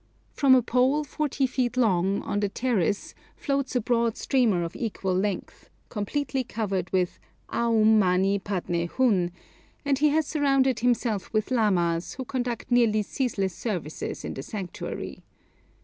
From a pole, forty feet long, on the terrace floats a broad streamer of equal length, completely covered with Aum mani padne hun, and he has surrounded himself with lamas, who conduct nearly ceaseless services in the sanctuary.